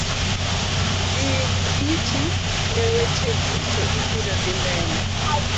Din iti ne wecheji to ibiro dhimbele.